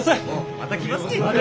また来ますき！